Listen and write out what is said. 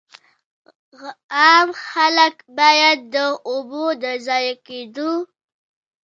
عام خلک باید د اوبو د ضایع کېدو.